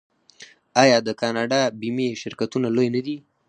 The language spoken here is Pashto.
آیا د کاناډا بیمې شرکتونه لوی نه دي؟